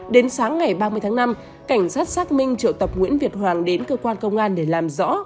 đến sáng ngày ba mươi tháng năm cảnh sát xác minh triệu tập nguyễn việt hoàng đến cơ quan công an để làm rõ